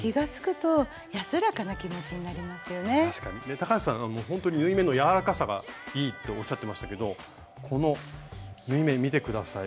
高橋さん縫い目の柔らかさがいいっておっしゃってましたけどこの縫い目見て下さい。